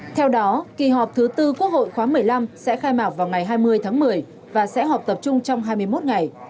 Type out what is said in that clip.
theo đó kỳ họp thứ tư quốc hội khóa một mươi năm sẽ khai mạc vào ngày hai mươi tháng một mươi và sẽ họp tập trung trong hai mươi một ngày